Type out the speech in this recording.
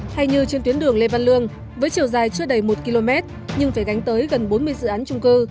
hay như trên tuyến đường lê văn lương với chiều dài chưa đầy một km nhưng phải gánh tới gần bốn mươi dự án trung cư